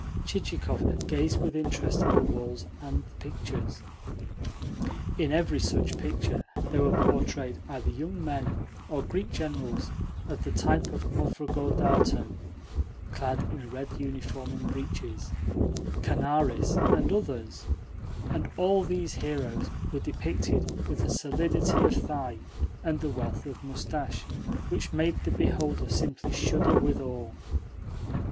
Chichikov gazed with interest at the walls and the pictures. In every such picture there were portrayed either young men or Greek generals of the type of Movrogordato (clad in a red uniform and breaches), Kanaris, and others; and all these heroes were depicted with a solidity of thigh and a wealth of moustache which made the beholder simply shudder with awe.